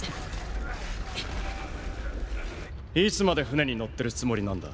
いつまで船に乗ってるつもりなんだ。